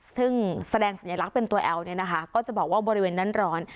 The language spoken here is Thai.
ซึ่งแสดงสัญลักษณ์เป็นตัวแอลเนี่ยนะคะก็จะบอกว่าบริเวณนั้นร้อน